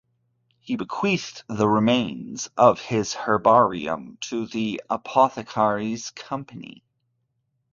He bequeathed the remains of his herbarium to the Apothecaries' Company.